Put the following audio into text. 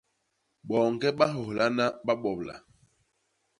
Boñge ba nhôhlaha babobla.